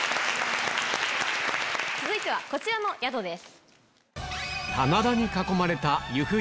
続いてはこちらの宿です。